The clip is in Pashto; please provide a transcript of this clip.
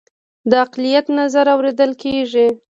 د اقلیت نظر اوریدل کیږي؟